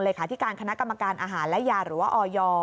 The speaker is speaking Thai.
ที่การคณะกรรมการอาหารและยาหรือว่าออย